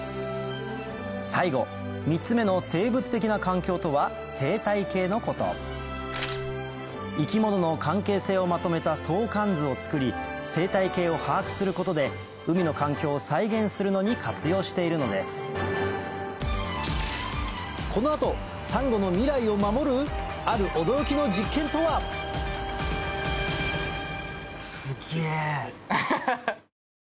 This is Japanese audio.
最後３つ目の生物的な環境とは生態系のこと生き物の関係性をまとめた相関図を作り生態系を把握することで海の環境を再現するのに活用しているのですある驚きの実験とは⁉すげぇ。